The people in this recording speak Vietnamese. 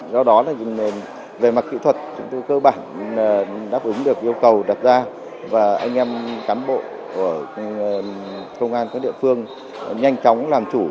do đó là về mặt kỹ thuật chúng tôi cơ bản đáp ứng được yêu cầu đặt ra và anh em cán bộ của công an các địa phương nhanh chóng làm chủ